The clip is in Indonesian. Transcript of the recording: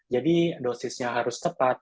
jadi dosisnya harus tepat